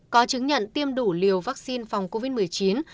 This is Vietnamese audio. có chứng nhận tiêm đủ liều vaccine phòng covid một mươi chín